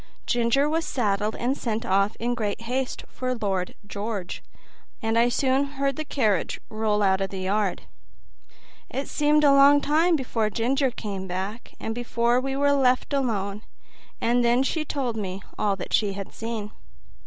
Ginger was saddled and sent off in great haste for Lord George, and I soon heard the carriage roll out of the yard. It seemed a long time before Ginger came back, and before we were left alone; and then she told me all that she had seen.